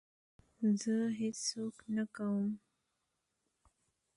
زه هېڅ څوک نه کوم.